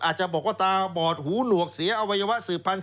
อาจจะบอกว่าตาบอดหูหนวกเสียอวัยวะสืบพันธ